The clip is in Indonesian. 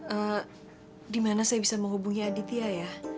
ehm dimana saya bisa menghubungi aditya ya